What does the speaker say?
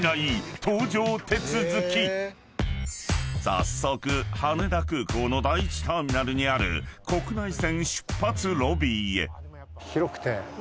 ［早速羽田空港の第１ターミナルにある国内線出発ロビーへ］